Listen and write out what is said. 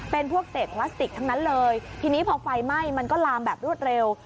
เป็นพวกเศษพลาสติกทั้งนั้นเลยทีนี้พอไฟไหม้มันก็ลามแบบรวดเร็ว